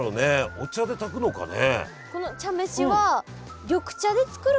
お茶で炊くのかね？